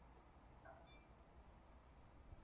kuweka kipande cha herring ya chumvi kwenye ndoano ya Antony